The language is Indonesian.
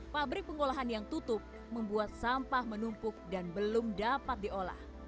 pabrik pengolahan yang tutup membuat sampah menumpuk dan belum dapat diolah